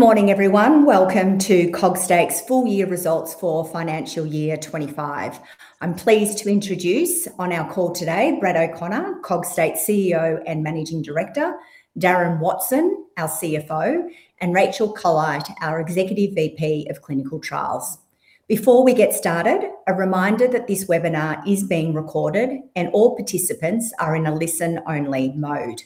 Good morning, everyone. Welcome to Cogstate's Full Year Results for Financial Year 2025. I'm pleased to introduce on our call today, Brad O'Connor, Cogstate's CEO and Managing Director, Darren Watson, our CFO, and Rachel Colite, our Executive VP of Clinical Trials. Before we get started, a reminder that this webinar is being recorded, and all participants are in a listen-only mode.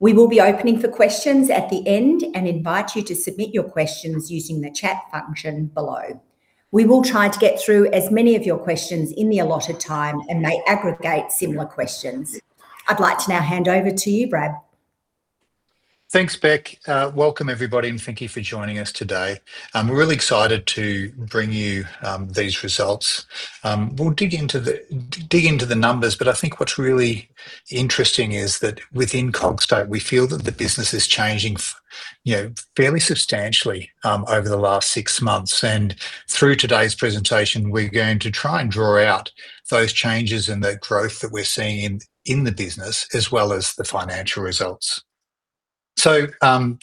We will be opening for questions at the end, and invite you to submit your questions using the chat function below. We will try to get through as many of your questions in the allotted time, and may aggregate similar questions. I'd like to now hand over to you, Brad. Thanks, Bec. Welcome, everybody, and thank you for joining us today. We're really excited to bring you these results. We'll dig into the numbers, but I think what's really interesting is that within Cogstate, we feel that the business is changing, you know, fairly substantially over the last six months. And through today's presentation, we're going to try and draw out those changes and the growth that we're seeing in the business, as well as the financial results. So,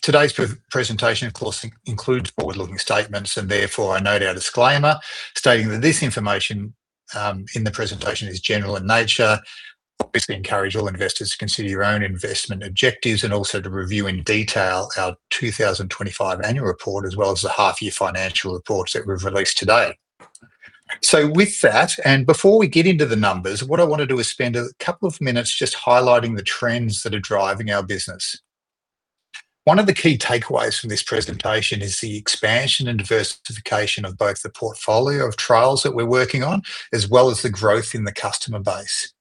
today's presentation, of course, includes forward-looking statements, and therefore I note our disclaimer stating that this information in the presentation is general in nature. Obviously, encourage all investors to consider your own investment objectives and also to review in detail our 2025 annual report, as well as the half-year financial reports that we've released today. So with that, and before we get into the numbers, what I want to do is spend a couple of minutes just highlighting the trends that are driving our business. One of the key take aways from this presentation is the expansion and diversification of both the portfolio of trials that we're working on, as well as the growth in the customer base.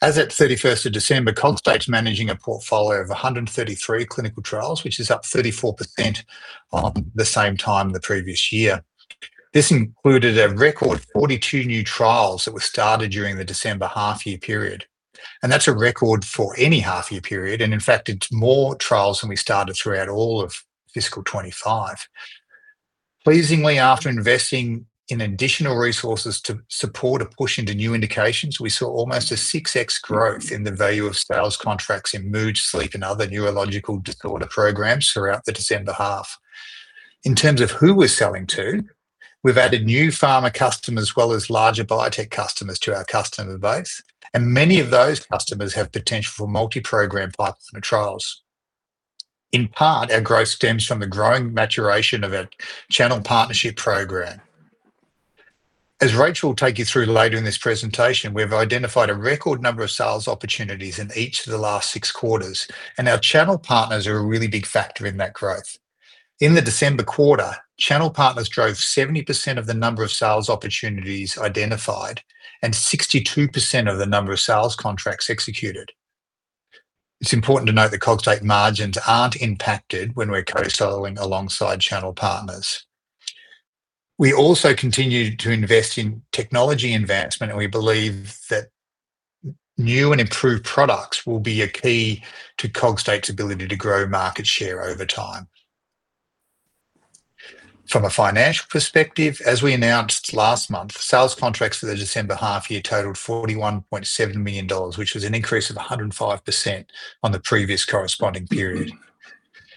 As at 31st of December, Cogstate's managing a portfolio of 133 clinical trials, which is up 34% on the same time the previous year. This included a record 42 new trials that were started during the December half-year period, and that's a record for any half-year period, and in fact, it's more trials than we started throughout all of Fiscal 2025. Pleasingly, after investing in additional resources to support a push into new indications, we saw almost a 6x growth in the value of sales contracts in mood, sleep, and other neurological disorder programs throughout the December half. In terms of who we're selling to, we've added new pharma customers, as well as larger biotech customers to our customer base, and many of those customers have potential for multi-program partner trials. In part, our growth stems from the growing maturation of our channel partnership program. As Rachel will take you through later in this presentation, we have identified a record number of sales opportunities in each of the last 6 quarters, and our channel partners are a really big factor in that growth. In the December quarter, channel partners drove 70% of the number of sales opportunities identified and 62% of the number of sales contracts executed. It's important to note that Cogstate margins aren't impacted when we're co-selling alongside channel partners. We also continue to invest in technology advancement, and we believe that new and improved products will be a key to Cogstate's ability to grow market share over time. From a financial perspective, as we announced last month, sales contracts for the December half year totaled AUD 41.7 million, which was an increase of 105% on the previous corresponding period.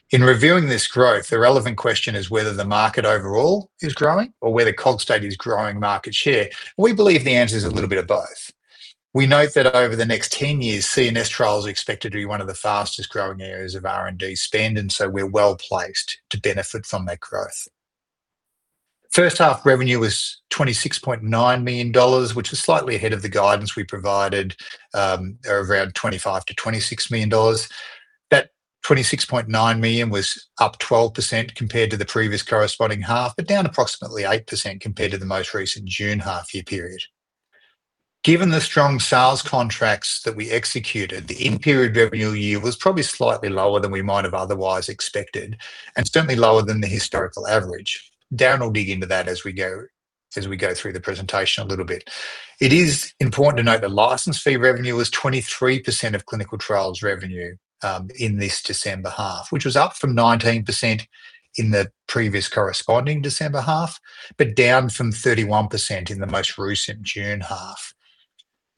In reviewing this growth, the relevant question is whether the market overall is growing or whether Cogstate is growing market share. We believe the answer is a little bit of both. We note that over the next 10 years, CNS trials are expected to be one of the fastest growing areas of R&D spend, and so we're well-placed to benefit from that growth. First half revenue was $26.9 million, which was slightly ahead of the guidance we provided, around $25-$26 million. That $26.9 million was up 12% compared to the previous corresponding half, but down approximately 8% compared to the most recent June half-year period. Given the strong sales contracts that we executed, the in-period revenue year was probably slightly lower than we might have otherwise expected, and certainly lower than the historical average. Darren will dig into that as we go through the presentation a little bit. It is important to note that license fee revenue was 23% of clinical trials revenue in this December half, which was up from 19% in the previous corresponding December half, but down from 31% in the most recent June half.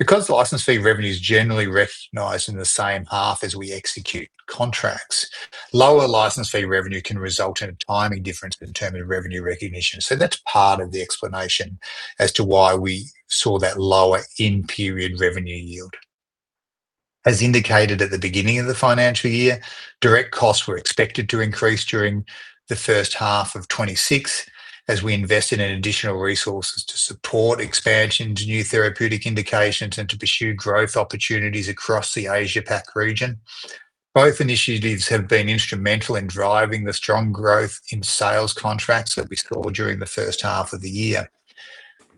Because license fee revenue is generally recognized in the same half as we execute contracts, lower license fee revenue can result in a timing difference in terms of revenue recognition. So that's part of the explanation as to why we saw that lower in-period revenue yield. As indicated at the beginning of the financial year, direct costs were expected to increase during the first half of 2026 as we invested in additional resources to support expansion to new therapeutic indications and to pursue growth opportunities across the Asia-Pac region. Both initiatives have been instrumental in driving the strong growth in sales contracts that we saw during the first half of the year.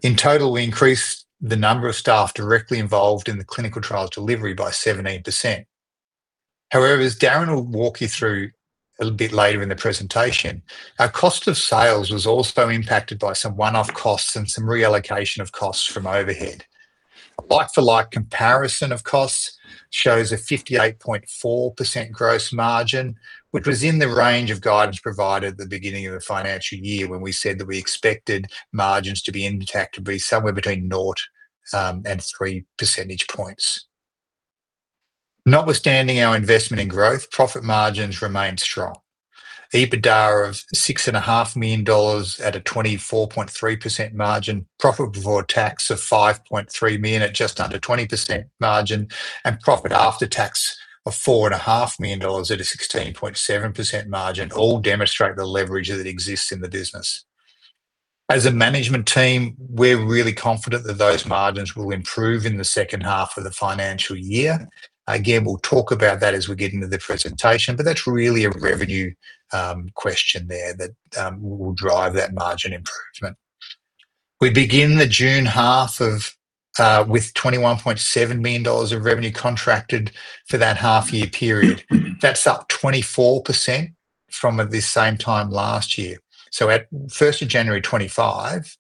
In total, we increased the number of staff directly involved in the clinical trials delivery by 17%. However, as Darren will walk you through a little bit later in the presentation, our cost of sales was also impacted by some one-off costs and some reallocation of costs from overhead. A like-for-like comparison of costs shows a 58.4% gross margin, which was in the range of guidance provided at the beginning of the financial year, when we said that we expected margins to be intact, to be somewhere between 0 and 3 percentage points, notwithstanding our investment in growth, profit margins remain strong. EBITDA of 6.5 million dollars at a 24.3% margin, profit before tax of 5.3 million at just under 20% margin, and profit after tax of 4.5 million dollars at a 16.7% margin, all demonstrate the leverage that exists in the business. As a management team, we're really confident that those margins will improve in the second half of the financial year. Again, we'll talk about that as we get into the presentation, but that's really a revenue question there that will drive that margin improvement. We begin the June half with 21.7 million dollars of revenue contracted for that half year period. That's up 24% from at this same time last year. So at the first of January 2025,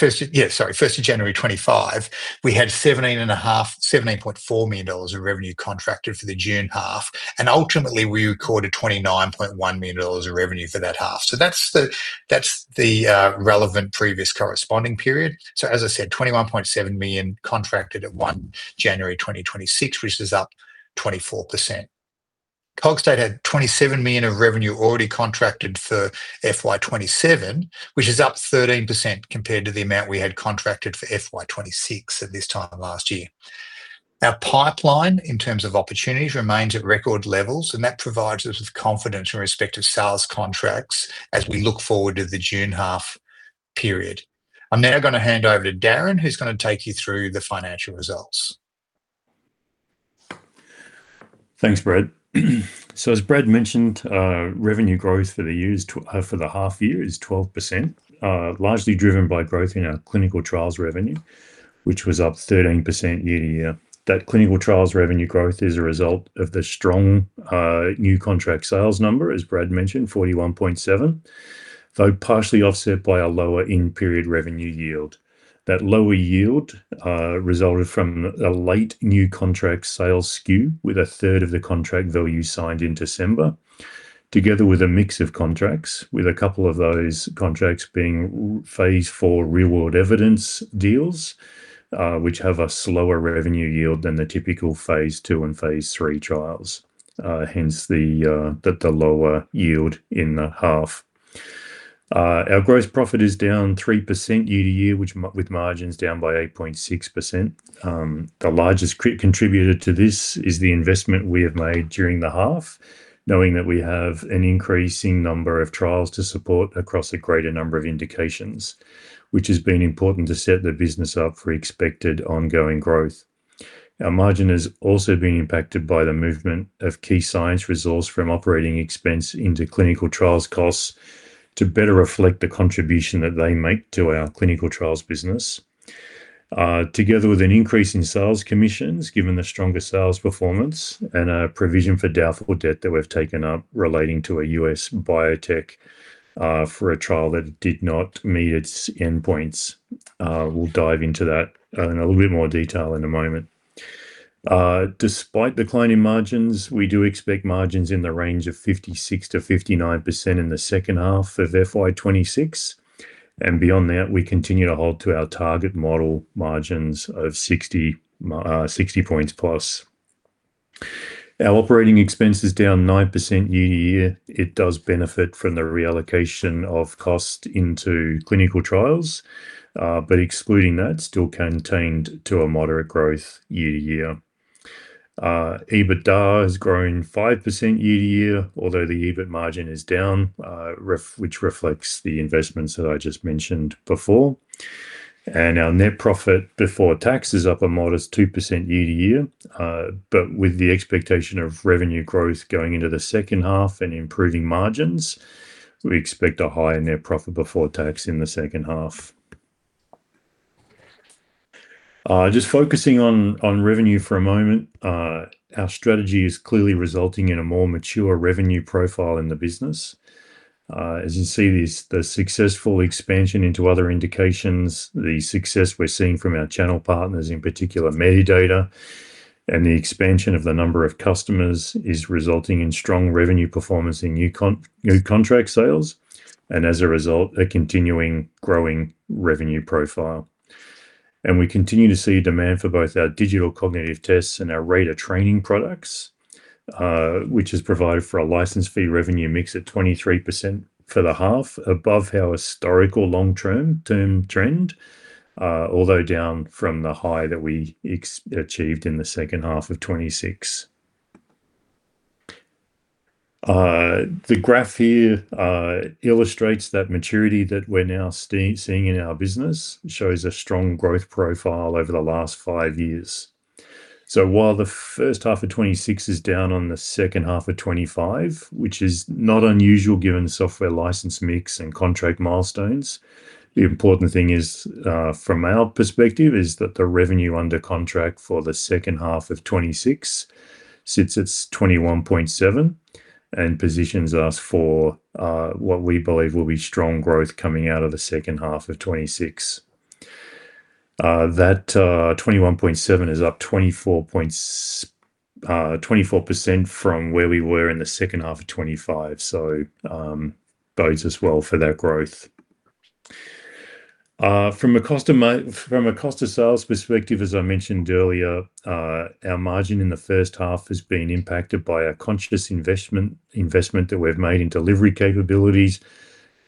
we had 17.4 million dollars of revenue contracted for the June half, and ultimately, we recorded 29.1 million dollars of revenue for that half. So that's the relevant previous corresponding period. So, as I said, 21.7 million contracted at 1 January 2026, which is up 24%. Cogstate had 27 million of revenue already contracted for FY 2027, which is up 13% compared to the amount we had contracted for FY 2026 at this time last year. Our pipeline, in terms of opportunities, remains at record levels, and that provides us with confidence in respect of sales contracts as we look forward to the June half period. I'm now gonna hand over to Darren, who's gonna take you through the financial results. Thanks, Brad. As Brad mentioned, revenue growth for the year to—for the half year is 12%, largely driven by growth in our clinical trials revenue, which was up 13% year to year. That clinical trials revenue growth is a result of the strong new contract sales number, as Brad mentioned, $41.7 million, though partially offset by a lower in-period revenue yield. That lower yield resulted from a late new contract sales SKU, with a third of the contract value signed in December, together with a mix of contracts, with a couple of those contracts being Phase IV real-world evidence deals, which have a slower revenue yield than the typical Phase II and Phase III trials. Hence the lower yield in the half. Our gross profit is down 3% year-to-year, with margins down by 8.6%. The largest contributor to this is the investment we have made during the half, knowing that we have an increasing number of trials to support across a greater number of indications, which has been important to set the business up for expected ongoing growth. Our margin has also been impacted by the movement of key science resource from operating expense into clinical trials costs to better reflect the contribution that they make to our clinical trials business. Together with an increase in sales commissions, given the stronger sales performance and a provision for doubtful debt that we've taken up relating to a U.S. biotech, for a trial that did not meet its endpoints. We'll dive into that in a little bit more detail in a moment. Despite declining margins, we do expect margins in the range of 56%-59% in the second half of FY 2026, and beyond that, we continue to hold to our target model margins of 60 points plus. Our operating expense is down 9% year-over-year. It does benefit from the reallocation of cost into clinical trials, but excluding that, still contained to a moderate growth year-over-year. EBITDA has grown 5% year-over-year, although the EBIT margin is down, which reflects the investments that I just mentioned before. Our net profit before tax is up a modest 2% year to year, but with the expectation of revenue growth going into the second half and improving margins, we expect a higher net profit before tax in the second half. Just focusing on revenue for a moment, our strategy is clearly resulting in a more mature revenue profile in the business. As you see, the successful expansion into other indications, the success we're seeing from our channel partners, in particular, Medidata, and the expansion of the number of customers is resulting in strong revenue performance in new contract sales, and as a result, a continuing growing revenue profile. We continue to see demand for both our digital cognitive tests and our rater training products, which has provided for a license fee revenue mix at 23% for the half above our historical long-term trend, although down from the high that we achieved in the second half of 2026. The graph here illustrates that maturity that we're now seeing in our business, shows a strong growth profile over the last five years. While the first half of 2026 is down on the second half of 2025, which is not unusual given the software license mix and contract milestones, the important thing from our perspective is that the revenue under contract for the second half of 2026 sits at $21.7 million and positions us for what we believe will be strong growth coming out of the second half of 2026. That $21.7 million is up 24% from where we were in the second half of 2025, so bodes as well for that growth. From a cost of sales perspective, as I mentioned earlier, our margin in the first half has been impacted by a conscious investment, investment that we've made in delivery capabilities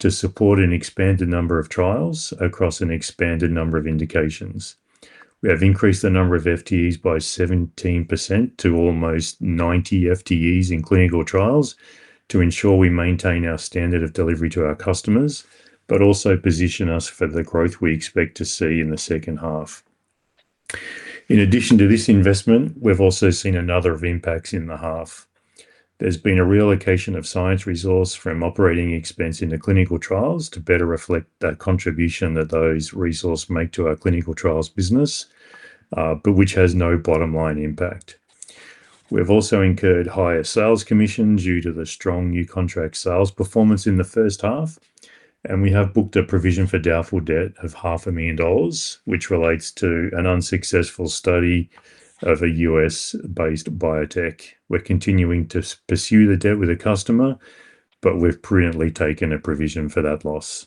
to support an expanded number of trials across an expanded number of indications. We have increased the number of FTEs by 17% to almost 90 FTEs in clinical trials to ensure we maintain our standard of delivery to our customers, but also position us for the growth we expect to see in the second half. In addition to this investment, we've also seen a number of impacts in the half. There's been a reallocation of science resource from operating expense into clinical trials to better reflect the contribution that those resource make to our clinical trials business, but which has no bottom line impact. We've also incurred higher sales commission due to the strong new contract sales performance in the first half, and we have booked a provision for doubtful debt of 500,000 dollars, which relates to an unsuccessful study of a U.S.-based biotech. We're continuing to pursue the debt with the customer, but we've prudently taken a provision for that loss.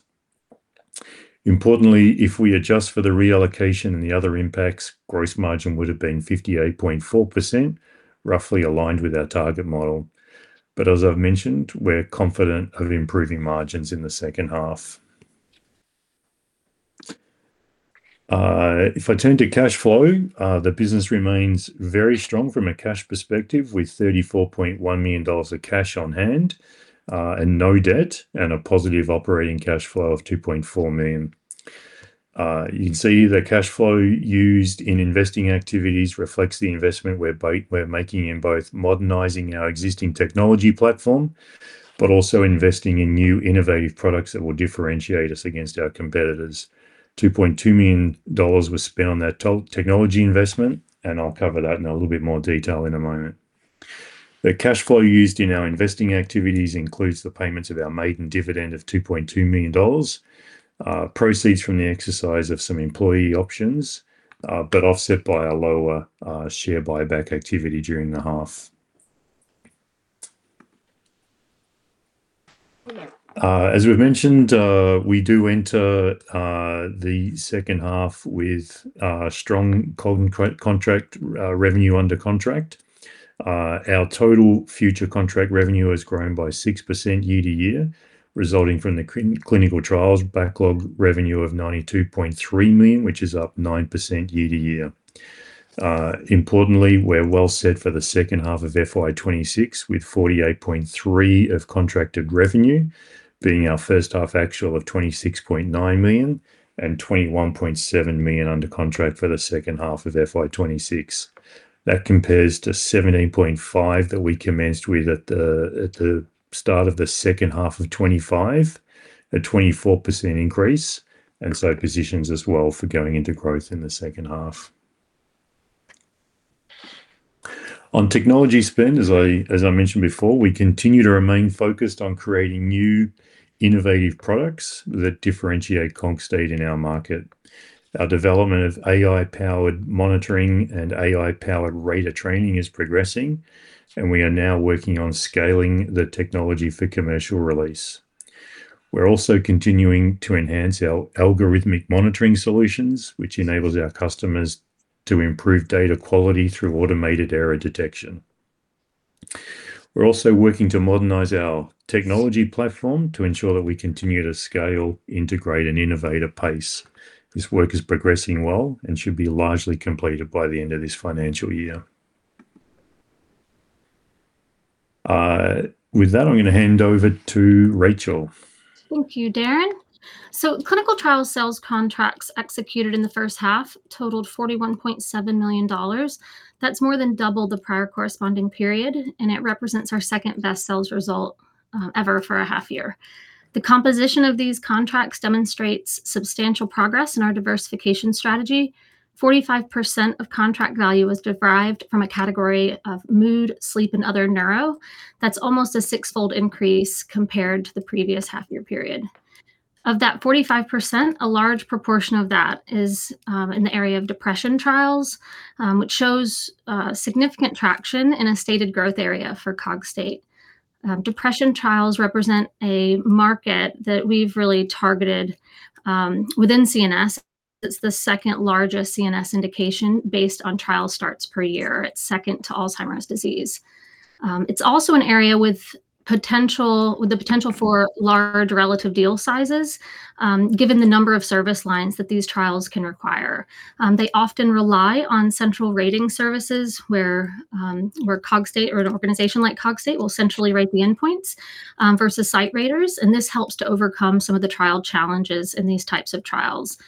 Importantly, if we adjust for the reallocation and the other impacts, gross margin would have been 58.4%, roughly aligned with our target model. But as I've mentioned, we're confident of improving margins in the second half. If I turn to cash flow, the business remains very strong from a cash perspective, with 34.1 million dollars of cash on hand, and no debt, and a positive operating cash flow of 2.4 million. You can see the cash flow used in investing activities reflects the investment we're making in both modernizing our existing technology platform, but also investing in new innovative products that will differentiate us against our competitors. 2.2 million dollars was spent on that technology investment, and I'll cover that in a little bit more detail in a moment. The cash flow used in our investing activities includes the payments of our maiden dividend of 2.2 million dollars, proceeds from the exercise of some employee options, but offset by a lower share buyback activity during the half. As we've mentioned, we do enter the second half with strong contract revenue under contract. Our total future contract revenue has grown by 6% year-to-year, resulting from the clinical trials backlog revenue of $92.3 million, which is up 9% year-to-year. Importantly, we're well set for the second half of FY 2026, with $48.3 million of contracted revenue being our first half actual of $26.9 million and $21.7 million under contract for the second half of FY 2026. That compares to $17.5 million that we commenced with at the start of the second half of 2025, a 24% increase, and so positions us well for going into growth in the second half. On technology spend, as I mentioned before, we continue to remain focused on creating new, innovative products that differentiate Cogstate in our market. Our development of AI-powered monitoring and AI-powered rater training is progressing, and we are now working on scaling the technology for commercial release. We're also continuing to enhance our algorithmic monitoring solutions, which enables our customers to improve data quality through automated error detection. We're also working to modernize our technology platform to ensure that we continue to scale, integrate, and innovate at pace. This work is progressing well and should be largely completed by the end of this financial year. With that, I'm going to hand over to Rachel. Thank you, Darren. Clinical trial sales contracts executed in the first half totaled $41.7 million. That's more than double the prior corresponding period, and it represents our second-best sales result ever for a half year. The composition of these contracts demonstrates substantial progress in our diversification strategy. 45% of contract value was derived from a category of mood, sleep, and other neuro. That's almost a six-fold increase compared to the previous half-year period. Of that 45%, a large proportion of that is in the area of depression trials, which shows significant traction in a stated growth area for Cogstate. Depression trials represent a market that we've really targeted. Within CNS, it's the second largest CNS indication based on trial starts per year. It's second to Alzheimer's disease. It's also an area with the potential for large relative deal sizes, given the number of service lines that these trials can require. They often rely on central rating services where Cogstate or an organization like Cogstate will centrally rate the endpoints, versus site raters, and this helps to overcome some of the trial challenges in these types of trials,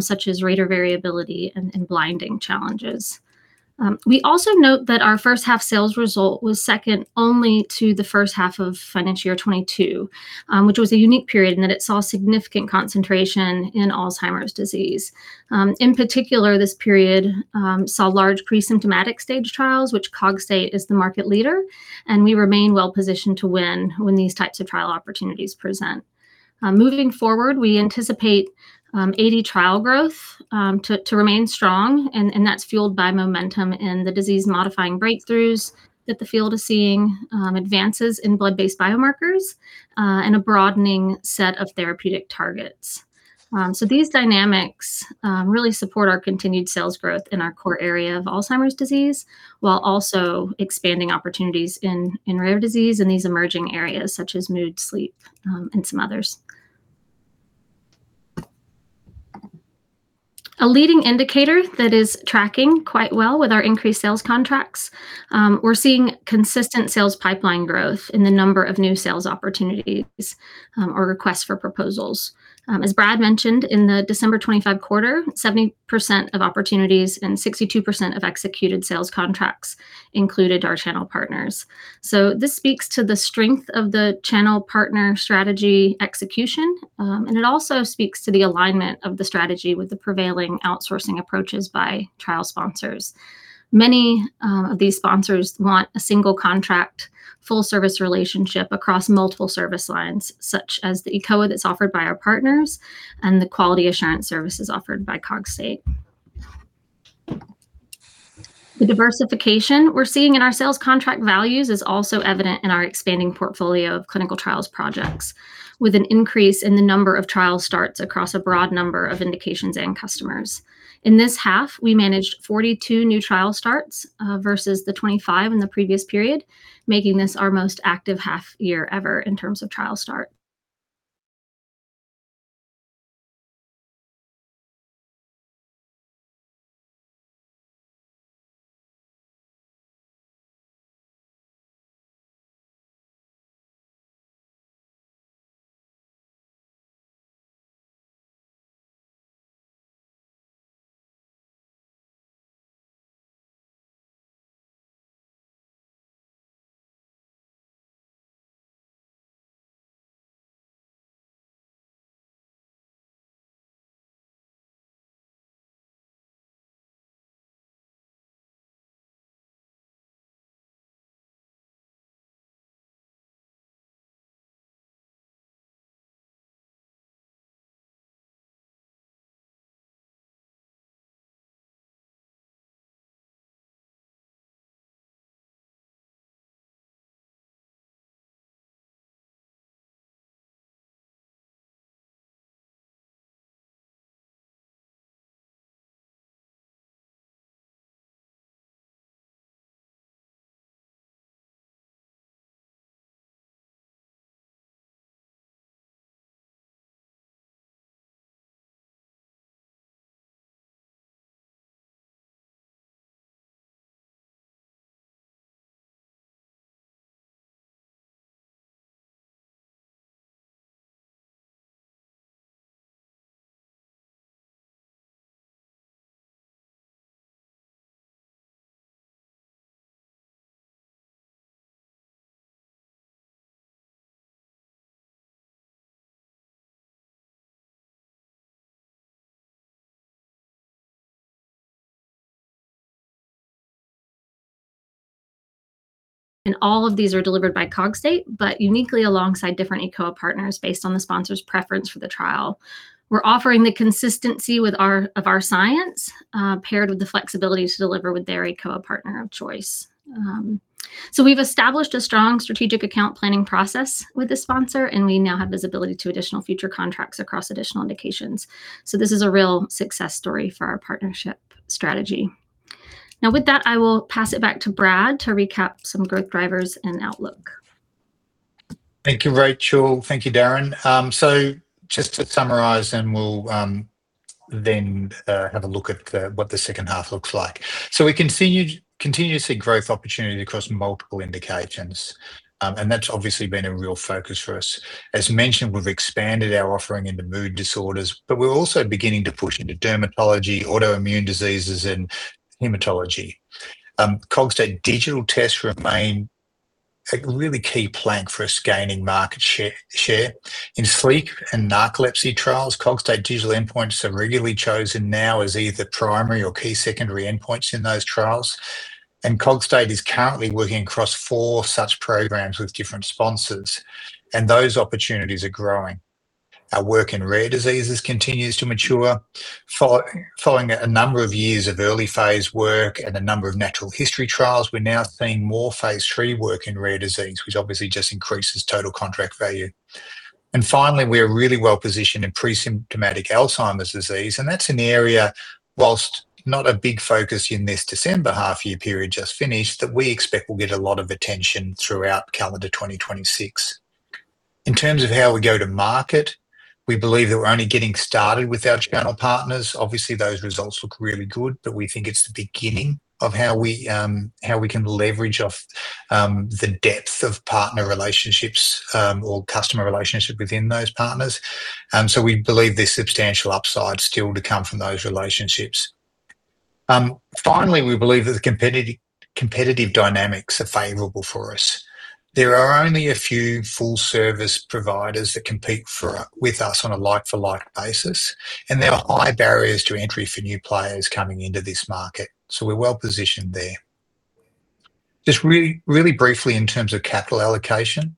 such as rater variability and blinding challenges. We also note that our first half sales result was second only to the first half of Financial Year 2022, which was a unique period in that it saw significant concentration in Alzheimer's disease. In particular, this period saw large pre-symptomatic stage trials, which Cogstate is the market leader, and we remain well positioned to win when these types of trial opportunities present. Moving forward, we anticipate AD trial growth to remain strong, and that's fueled by momentum in the disease-modifying breakthroughs that the field is seeing, advances in blood-based biomarkers, and a broadening set of therapeutic targets. So these dynamics really support our continued sales growth in our core area of Alzheimer's disease, while also expanding opportunities in rare disease and these emerging areas such as mood, sleep, and some others. A leading indicator that is tracking quite well with our increased sales contracts, we're seeing consistent sales pipeline growth in the number of new sales opportunities or requests for proposals. As Brad mentioned, in the December 25 quarter, 70% of opportunities and 62% of executed sales contracts included our channel partners. So this speaks to the strength of the channel partner strategy execution, and it also speaks to the alignment of the strategy with the prevailing outsourcing approaches by trial sponsors. Many, of these sponsors want a single contract, full service relationship across multiple service lines, such as the eCOA that's offered by our partners and the quality assurance services offered by Cogstate. The diversification we're seeing in our sales contract values is also evident in our expanding portfolio of clinical trials projects, with an increase in the number of trial starts across a broad number of indications and customers. In this half, we managed 42 new trial starts, versus the 25 in the previous period, making this our most active half year ever in terms of trial start. All of these are delivered by Cogstate, but uniquely alongside different eCOA partners based on the sponsor's preference for the trial. We're offering the consistency with of our science, paired with the flexibility to deliver with their eCOA partner of choice. So we've established a strong strategic account planning process with the sponsor, and we now have visibility to additional future contracts across additional indications. This is a real success story for our partnership strategy. Now, with that, I will pass it back to Brad to recap some growth drivers and outlook. Thank you, Rachel. Thank you, Darren. So just to summarize, and we'll then have a look at what the second half looks like. So we continue to see growth opportunity across multiple indications, and that's obviously been a real focus for us. As mentioned, we've expanded our offering into mood disorders, but we're also beginning to push into dermatology, autoimmune diseases, and hematology. Cogstate digital tests remain a really key plank for us gaining market share. In sleep and narcolepsy trials, Cogstate digital endpoints are regularly chosen now as either primary or key secondary endpoints in those trials, and Cogstate is currently working across four such programs with different sponsors, and those opportunities are growing. Our work in rare diseases continues to mature. Following a number of years of early Phase work and a number of natural history trials, we're now seeing more Phase III work in rare disease, which obviously just increases total contract value. Finally, we are really well positioned in pre-symptomatic Alzheimer's disease, and that's an area, while not a big focus in this December half year period just finished, that we expect will get a lot of attention throughout calendar 2026. In terms of how we go to market, we believe that we're only getting started with our channel partners. Obviously, those results look really good, but we think it's the beginning of how we, how we can leverage off, the depth of partner relationships, or customer relationship within those partners. So we believe there's substantial upside still to come from those relationships. Finally, we believe that the competitive dynamics are favorable for us. There are only a few full service providers that compete with us on a like-for-like basis, and there are high barriers to entry for new players coming into this market, so we're well positioned there. Just really, really briefly, in terms of capital allocation,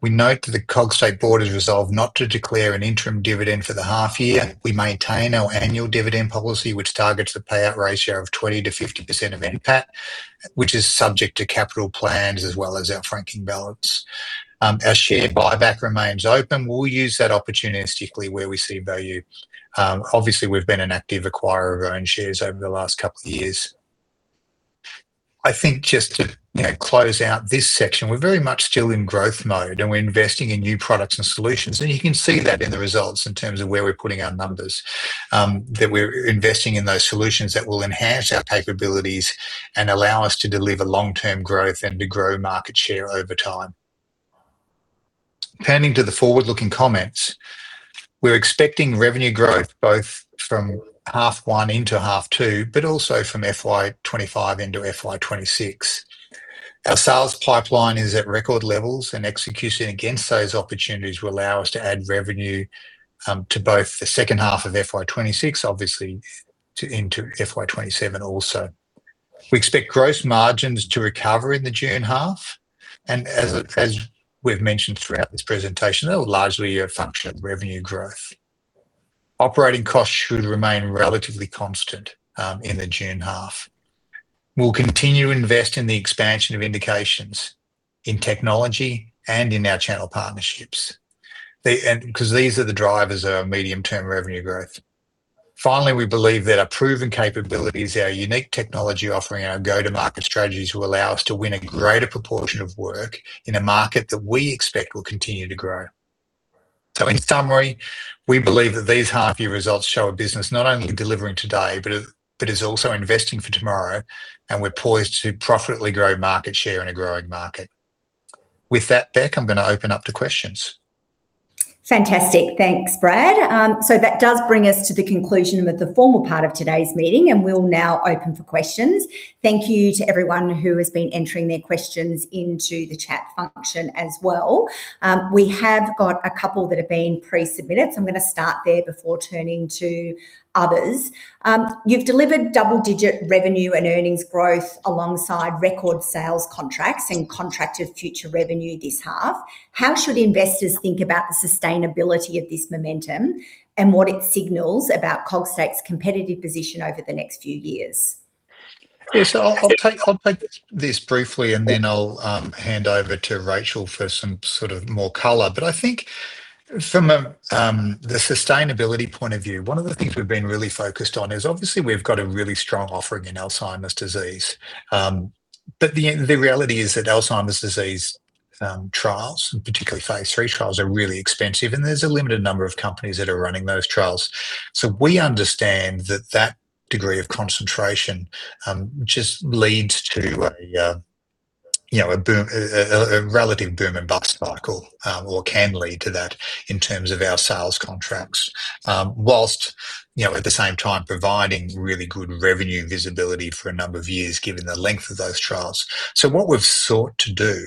we note that the Cogstate board has resolved not to declare an interim dividend for the half year. We maintain our annual dividend policy, which targets the payout ratio of 20%-50% of NPAT, which is subject to capital plans as well as our franking balance. Our share buyback remains open. We'll use that opportunistically where we see value. Obviously, we've been an active acquirer of our own shares over the last couple of years. I think just to, you know, close out this section, we're very much still in growth mode, and we're investing in new products and solutions. You can see that in the results in terms of where we're putting our numbers, that we're investing in those solutions that will enhance our capabilities and allow us to deliver long-term growth and to grow market share over time. Turning to the forward-looking comments, we're expecting revenue growth both from half 1 into half 2, but also from FY 2025 into FY 2026. Our sales pipeline is at record levels, and execution against those opportunities will allow us to add revenue to both the second half of FY 2026, obviously, into FY 2027 also. We expect gross margins to recover in the June half, and as we've mentioned throughout this presentation, that will largely be a function of revenue growth. Operating costs should remain relatively constant in the June half. We'll continue to invest in the expansion of indications, in technology, and in our channel partnerships because these are the drivers of medium-term revenue growth. Finally, we believe that our proven capabilities, our unique technology offering, and our go-to-market strategies will allow us to win a greater proportion of work in a market that we expect will continue to grow. So in summary, we believe that these half-year results show a business not only delivering today, but is also investing for tomorrow, and we're poised to profitably grow market share in a growing market. With that, Bec, I'm going to open up to questions. Fantastic. Thanks, Brad. So that does bring us to the conclusion of the formal part of today's meeting, and we'll now open for questions. Thank you to everyone who has been entering their questions into the chat function as well. We have got a couple that have been pre-submitted, so I'm going to start there before turning to others. You've delivered double-digit revenue and earnings growth alongside record sales contracts and contract of future revenue this half. How should investors think about the sustainability of this momentum and what it signals about Cogstate's competitive position over the next few years? Yeah. I'll take this briefly, and then I'll hand over to Rachel for some sort of more color. I think from a sustainability point of view, one of the things we've been really focused on is obviously we've got a really strong offering in Alzheimer's disease. The reality is that Alzheimer's disease trials, and particularly Phase III trials, are really expensive, and there's a limited number of companies that are running those trials. We understand that that degree of concentration just leads to a, you know, a boom- a, a, a relative boom and bust cycle, or can lead to that in terms of our sales contracts. Whilst, you know, at the same time, providing really good revenue visibility for a number of years, given the length of those trials. So what we've sought to do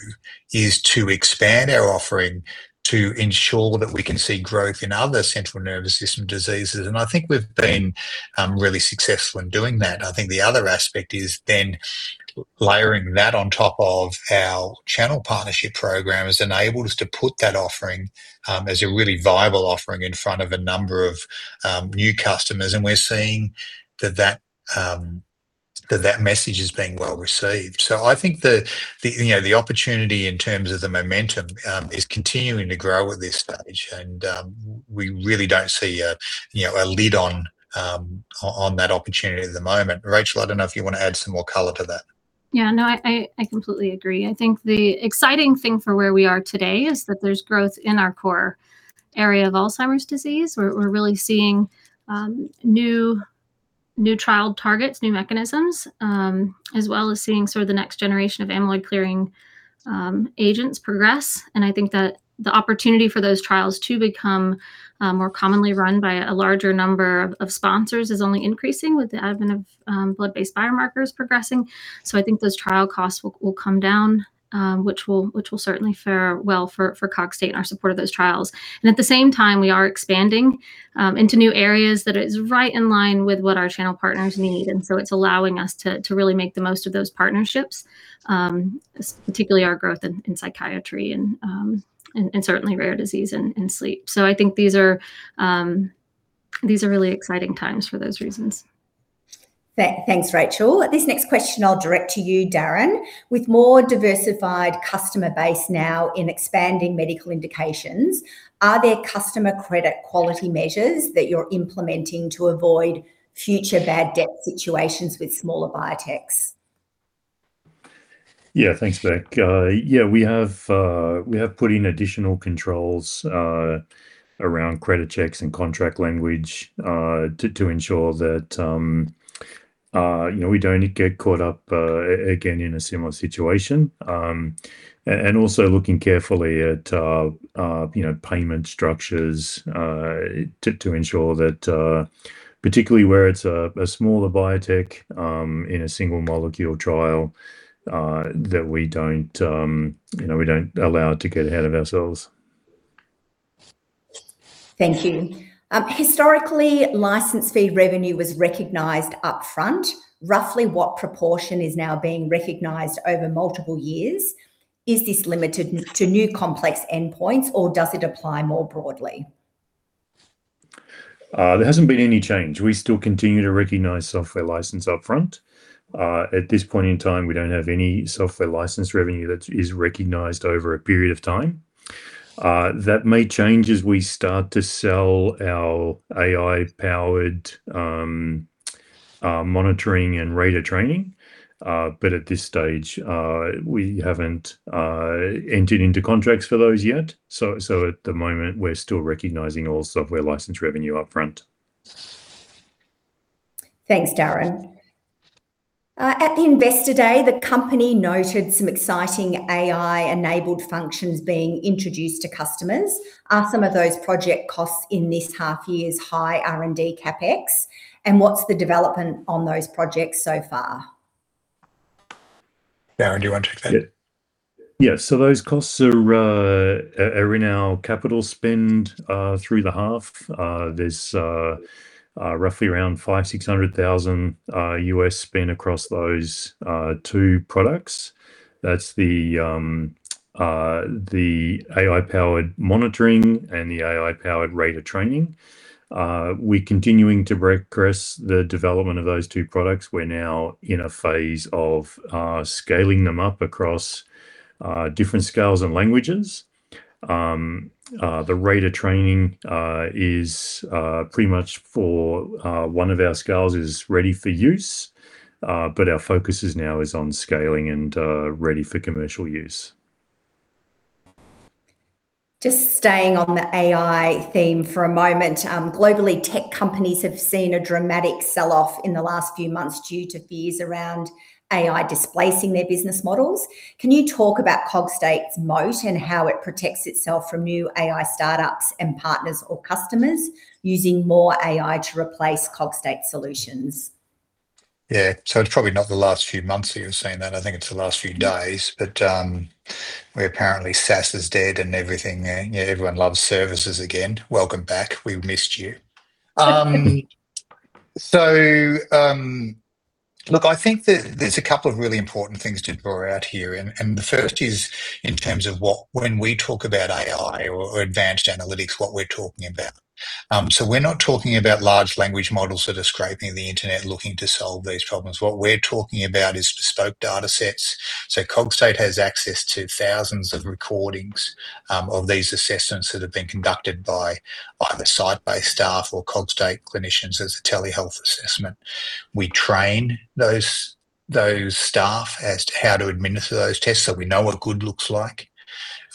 is to expand our offering to ensure that we can see growth in other central nervous system diseases, and I think we've been really successful in doing that. I think the other aspect is then layering that on top of our channel partnership program has enabled us to put that offering as a really viable offering in front of a number of new customers, and we're seeing that message is being well received. So I think you know the opportunity in terms of the momentum is continuing to grow at this stage, and we really don't see a you know a lid on that opportunity at the moment. Rachel, I don't know if you want to add some more color to that. Yeah, no, I completely agree. I think the exciting thing for where we are today is that there's growth in our core area of Alzheimer's disease, where we're really seeing new trial targets, new mechanisms, as well as seeing sort of the next generation of amyloid clearing agents progress. And I think that the opportunity for those trials to become more commonly run by a larger number of sponsors is only increasing with the advent of blood-based biomarkers progressing. So I think those trial costs will come down, which will certainly fare well for Cogstate in our support of those trials. At the same time, we are expanding into new areas that is right in line with what our channel partners need, and so it's allowing us to really make the most of those partnerships, particularly our growth in psychiatry and certainly rare disease and sleep. I think these are really exciting times for those reasons. Thanks, Rachel. This next question I'll direct to you, Darren. With more diversified customer base now in expanding medical indications, are there customer credit quality measures that you're implementing to avoid future bad debt situations with smaller biotechs? Yeah, thanks, Bec. Yeah, we have put in additional controls around credit checks and contract language to ensure that, you know, we don't get caught up again in a similar situation. And also looking carefully at, you know, payment structures to ensure that, particularly where it's a smaller biotech in a single molecule trial, that we don't, you know, we don't allow it to get ahead of ourselves. Thank you. Historically, license fee revenue was recognized upfront. Roughly what proportion is now being recognized over multiple years? Is this limited to new complex endpoints, or does it apply more broadly? There hasn't been any change. We still continue to recognize software license upfront. At this point in time, we don't have any software license revenue that is recognized over a period of time. That may change as we start to sell our AI-powered monitoring and rater training. But at this stage, we haven't entered into contracts for those yet. So at the moment, we're still recognizing all software license revenue upfront. Thanks, Darren. At the Investor Day, the company noted some exciting AI-enabled functions being introduced to customers. Are some of those project costs in this half year's high R&D CapEx? And what's the development on those projects so far? Darren, do you want to take that? Yeah. Yeah, so those costs are in our capital spend through the half. There's roughly around $500,000-$600,000 US spend across those two products. That's the AI-powered monitoring and the AI-powered rater training. We're continuing to progress the development of those two products. We're now in a Phase of scaling them up across different scales and languages. The rater training is pretty much for one of our scales is ready for use, but our focus is now on scaling and ready for commercial use. Just staying on the AI theme for a moment. Globally, tech companies have seen a dramatic sell-off in the last few months due to fears around AI displacing their business models. Can you talk about Cogstate's moat and how it protects itself from new AI startups and partners or customers using more AI to replace Cogstate solutions? Yeah. So it's probably not the last few months that you've seen that, I think it's the last few days. But, where apparently SaaS is dead and everything, and, yeah, everyone loves services again. Welcome back, we've missed you. So, look, I think that there's a couple of really important things to draw out here, and, and the first is in terms of what, when we talk about AI or, or advanced analytics, what we're talking about. So we're not talking about large language models that are scraping the internet looking to solve these problems. What we're talking about is bespoke datasets. So Cogstate has access to thousands of recordings, of these assessments that have been conducted by either site-based staff or Cogstate clinicians as a telehealth assessment. We train those staff as to how to administer those tests, so we know what good looks like.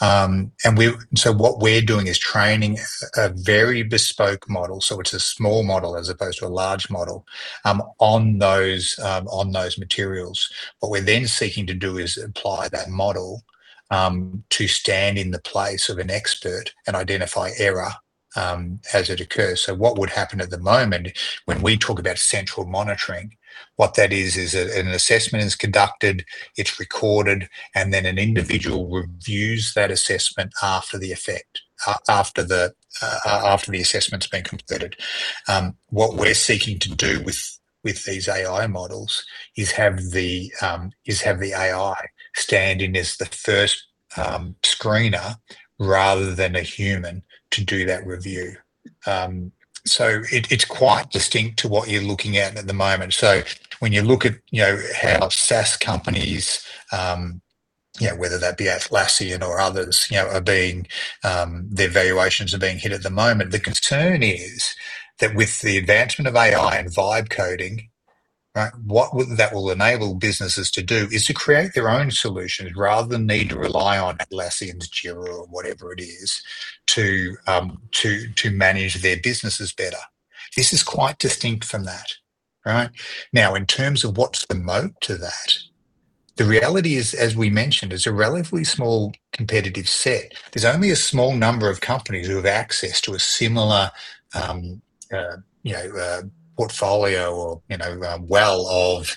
And so what we're doing is training a very bespoke model, so it's a small model as opposed to a large model, on those materials. What we're then seeking to do is apply that model to stand in the place of an expert and identify error as it occurs. So what would happen at the moment, when we talk about central monitoring, what that is, is an assessment is conducted, it's recorded, and then an individual reviews that assessment after the assessment's been completed. What we're seeking to do with, with these AI models is have the, is have the AI stand in as the first, screener, rather than a human to do that review. So it, it's quite distinct to what you're looking at at the moment. So when you look at, you know, how SaaS companies, yeah, whether that be Atlassian or others, you know, are being, their valuations are being hit at the moment, the concern is that with the advancement of AI and vibe coding, right, what that will enable businesses to do is to create their own solutions rather than need to rely on Atlassian, Jira, or whatever it is, to, to manage their businesses better. This is quite distinct from that, right? Now, in terms of what's the moat to that, the reality is, as we mentioned, it's a relatively small competitive set. There's only a small number of companies who have access to a similar, you know, portfolio or, you know, well of,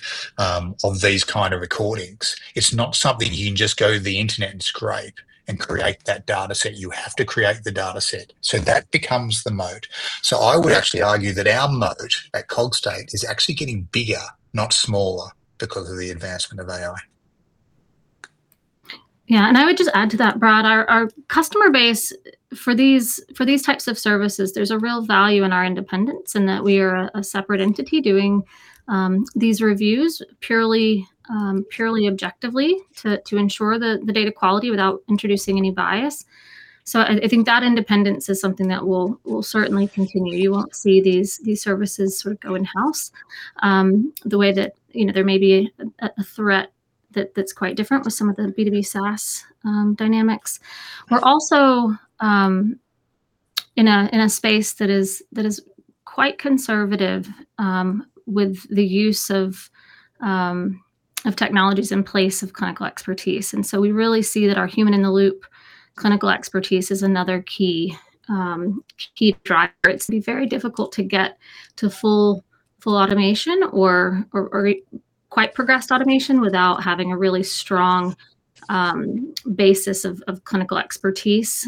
these kind of recordings. It's not something you can just go to the internet and scrape and create that dataset. You have to create the dataset. So that becomes the moat. So I would actually argue that our moat at Cogstate is actually getting bigger, not smaller, because of the advancement of AI. Yeah, and I would just add to that, Brad, our customer base for these types of services, there's a real value in our independence, in that we are a separate entity doing these reviews purely objectively, to ensure the data quality without introducing any bias. So I think that independence is something that will certainly continue. You won't see these services sort of go in-house the way that, you know, there may be a threat that's quite different with some of the B2B SaaS dynamics. We're also in a space that is quite conservative with the use of technologies in place of clinical expertise, and so we really see that our human-in-the-loop clinical expertise is another key driver. It's very difficult to get to full automation or quite progressed automation without having a really strong basis of clinical expertise,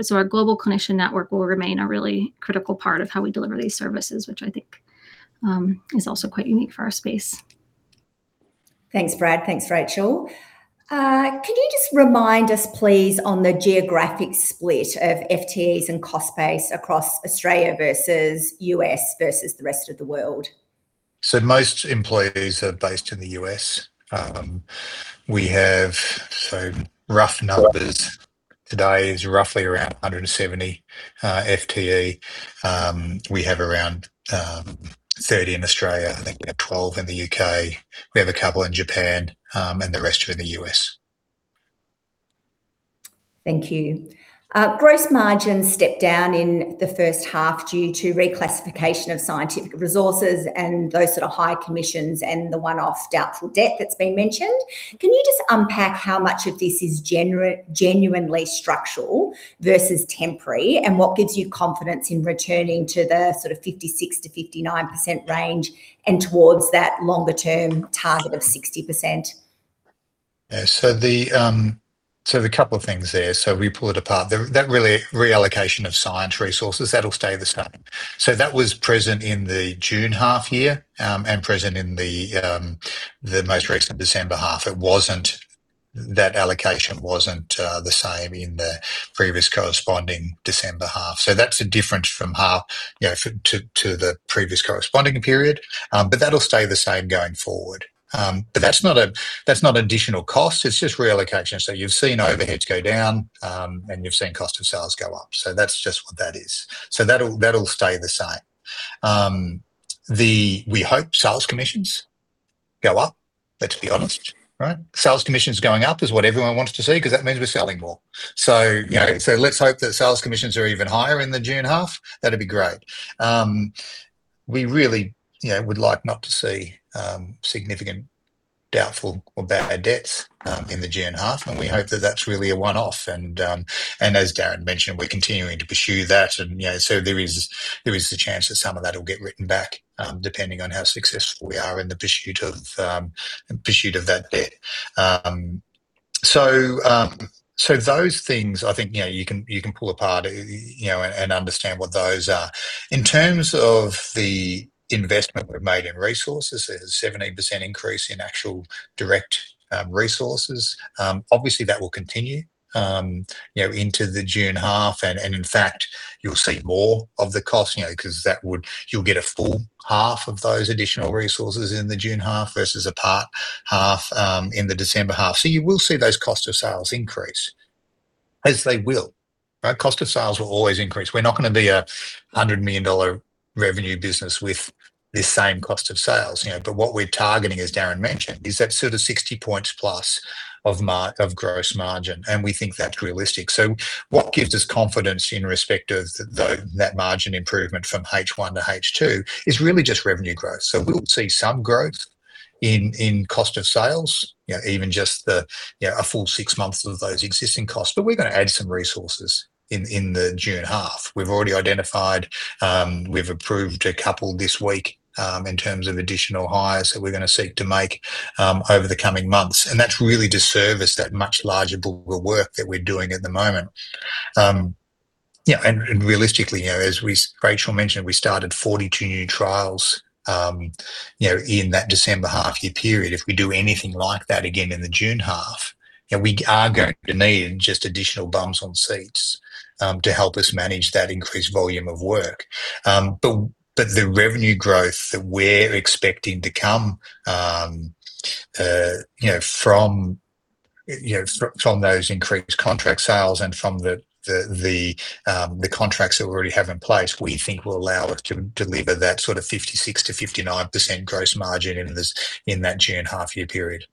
so our global clinician network will remain a really critical part of how we deliver these services, which I think is also quite unique for our space. Thanks, Brad. Thanks, Rachel. Can you just remind us, please, on the geographic split of FTEs and cost base across Australia versus U.S. versus the rest of the world? Most employees are based in the US. We have, so rough numbers today is roughly around 170 FTE. We have around 30 in Australia, I think we have 12 in the UK. We have a couple in Japan, and the rest are in the US. Thank you. Gross margin stepped down in the first half due to reclassification of scientific resources and those sort of high commissions and the one-off doubtful debt that's been mentioned. Can you just unpack how much of this is genuinely structural versus temporary? And what gives you confidence in returning to the sort of 56%-59% range and towards that longer term target of 60%? Yeah. So the couple of things there, so we pull it apart. The, that really reallocation of science resources, that'll stay the same. So that was present in the June half year, and present in the most recent December half. It wasn't. That allocation wasn't the same in the previous corresponding December half. So that's a difference from half, you know, for, to, to the previous corresponding period. But that'll stay the same going forward. But that's not a, that's not additional cost, it's just reallocation. So you've seen overheads go down, and you've seen cost of sales go up. So that's just what that is. So that'll, that'll stay the same. The... We hope sales commissions go up, let's be honest, right? Sales commissions going up is what everyone wants to see, 'cause that means we're selling more. Let's hope that sales commissions are even higher in the June half. That'd be great. We really, you know, would like not to see significant doubtful or bad debts in the June half, and we hope that that's really a one-off. As Darren mentioned, we're continuing to pursue that, and, you know, there is a chance that some of that will get written back, depending on how successful we are in the pursuit of that debt. Those things, I think, you know, you can pull apart, you know, and understand what those are. In terms of the investment we've made in resources, there's a 17% increase in actual direct resources. Obviously, that will continue, you know, into the June half. In fact, you'll see more of the cost, you know, 'cause that would... You'll get a full half of those additional resources in the June half versus a part half in the December half. So you will see those cost of sales increase, as they will, right? Cost of sales will always increase. We're not gonna be an 100 million dollar revenue business with this same cost of sales, you know. But what we're targeting, as Darren mentioned, is that sort of 60 points+ of gross margin, and we think that's realistic. So what gives us confidence in respect of that margin improvement from H1 to H2 is really just revenue growth. So we'll see some growth in cost of sales, you know, even just you know, a full six months of those existing costs. But we're gonna add some resources in the June half. We've already identified, we've approved a couple this week, in terms of additional hires that we're gonna seek to make over the coming months. And that's really to service that much larger book of work that we're doing at the moment. Yeah, and realistically, you know, as Rachel mentioned, we started 42 new trials, you know, in that December half year period. If we do anything like that again in the June half, you know, we are going to need just additional bums on seats to help us manage that increased volume of work. But the revenue growth that we're expecting to come, you know, from those increased contract sales and from the contracts that we already have in place, we think will allow us to deliver that sort of 56%-59% gross margin in that June half year period.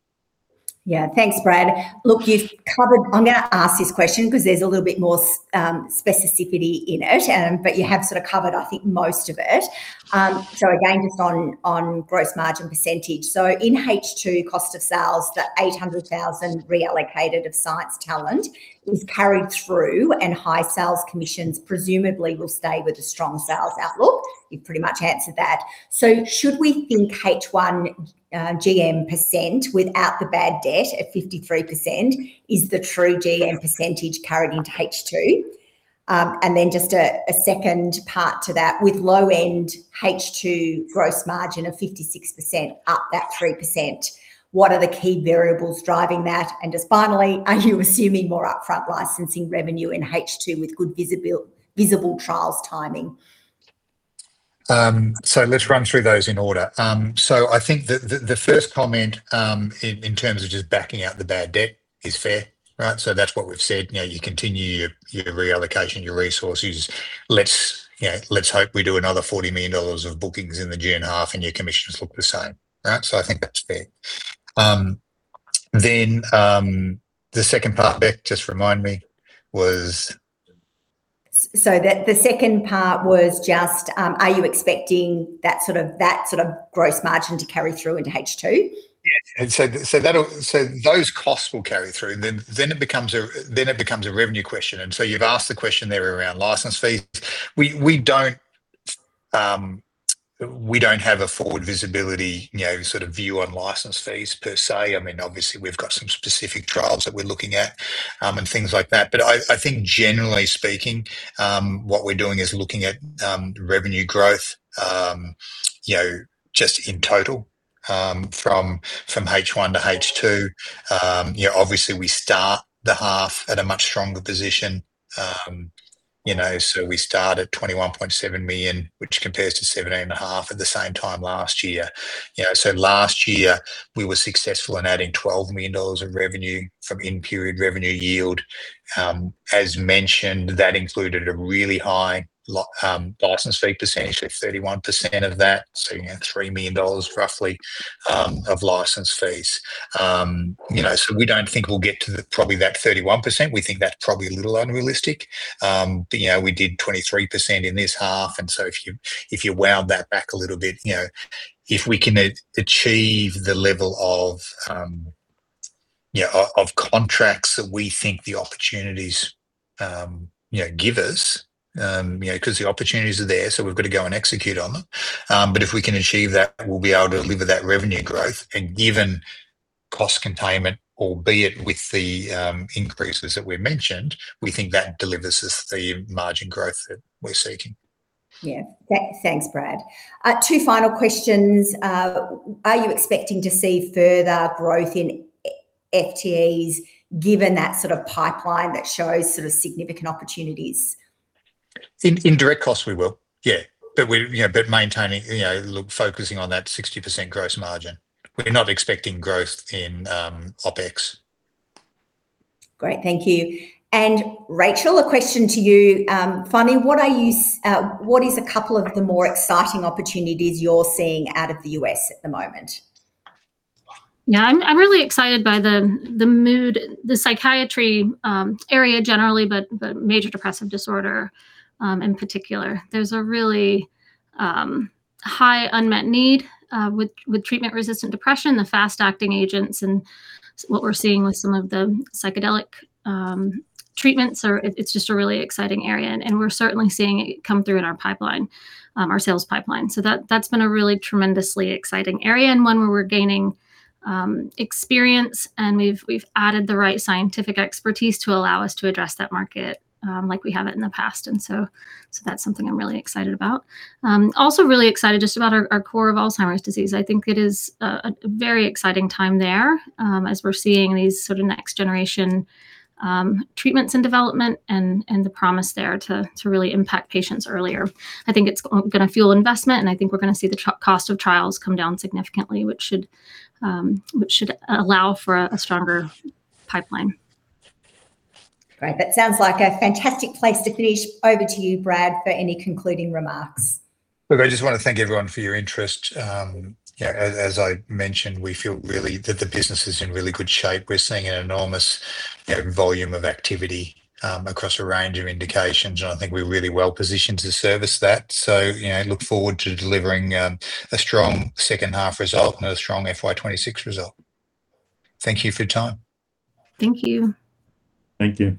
Yeah. Thanks, Brad. Look, you've covered, I'm gonna ask this question 'cause there's a little bit more specificity in it, but you have sort of covered, I think, most of it. So again, just on gross margin percentage. So in H2, cost of sales for 800,000 reallocated of science talent is carried through, and high sales commissions presumably will stay with a strong sales outlook. You've pretty much answered that. So should we think H1, GM percent without the bad debt at 53% is the true GM percentage carried into H2? And then just a second part to that, with low-end H2 gross margin of 56%, up that 3%, what are the key variables driving that? And just finally, are you assuming more upfront licensing revenue in H2 with good visible, visible trials timing? So let's run through those in order. So I think the first comment, in terms of just backing out the bad debt is fair, right? So that's what we've said. You know, you continue your reallocation, your resources. Let's, you know, let's hope we do another $40 million of bookings in the June half, and your commissions look the same. Right? So I think that's fair. Then, the second part, Bec, just remind me, was? So the second part was just, are you expecting that sort of, that sort of gross margin to carry through into H2? Yeah. That'll- so those costs will carry through, and then it becomes a revenue question. You've asked the question there around license fees. We don't, we don't have a forward visibility, you know, sort of view on license fees per se. I mean, obviously, we've got some specific trials that we're looking at, and things like that. But I think generally speaking, what we're doing is looking at revenue growth, you know, just in total, from H1 to H2, you know, obviously we start the half at a much stronger position. You know, we start at $21.7 million, which compares to $17.5 million at the same time last year. You know, so last year we were successful in adding $12 million of revenue from in-period revenue yield. As mentioned, that included a really high license fee percentage, so 31% of that, so yeah, $3 million roughly of license fees. You know, so we don't think we'll get to the, probably that 31%. We think that's probably a little unrealistic. But you know, we did 23% in this half, and so if you wound that back a little bit, you know, if we can achieve the level of, yeah, of contracts that we think the opportunities, you know, give us, you know, 'cause the opportunities are there, so we've got to go and execute on them. But if we can achieve that, we'll be able to deliver that revenue growth. Given cost containment, albeit with the increases that we've mentioned, we think that delivers us the margin growth that we're seeking. Yeah. Thanks, Brad. Two final questions. Are you expecting to see further growth in FTEs, given that sort of pipeline that shows sort of significant opportunities? In direct costs, we will. Yeah, but we... You know, but maintaining, you know, look, focusing on that 60% gross margin. We're not expecting growth in OpEx. Great, thank you. Rachel, a question to you, finally. What is a couple of the more exciting opportunities you're seeing out of the US at the moment? Yeah, I'm really excited by the mood, the psychiatry area generally, but major depressive disorder in particular. There's a really high unmet need with treatment-resistant depression, the fast-acting agents, and what we're seeing with some of the psychedelic treatments are... It's just a really exciting area, and we're certainly seeing it come through in our pipeline, our sales pipeline. So that's been a really tremendously exciting area, and one where we're gaining experience, and we've added the right scientific expertise to allow us to address that market like we haven't in the past. And so that's something I'm really excited about. Also really excited just about our core of Alzheimer's disease. I think it is a very exciting time there, as we're seeing these sort of next generation treatments and development and the promise there to really impact patients earlier. I think it's gonna fuel investment, and I think we're gonna see the cost of trials come down significantly, which should allow for a stronger pipeline. Great. That sounds like a fantastic place to finish. Over to you, Brad, for any concluding remarks. Look, I just want to thank everyone for your interest. Yeah, as I mentioned, we feel really that the business is in really good shape. We're seeing an enormous, you know, volume of activity, across a range of indications, and I think we're really well positioned to service that. So, you know, look forward to delivering, a strong second half result and a strong FY 2026 result. Thank you for your time. Thank you. Thank you.